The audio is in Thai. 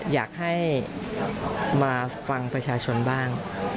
อยากให้มาฟังประชาชนบ้าง